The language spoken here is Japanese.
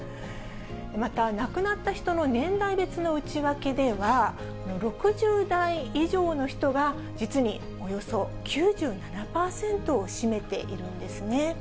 また、亡くなった人の年代別の内訳では、６０代以上の人が、実におよそ９７％を占めているんですね。